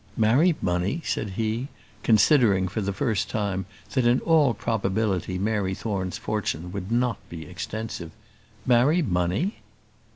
"Marry money!" said he, considering for the first time that in all probability Mary Thorne's fortune would not be extensive. "Marry money!"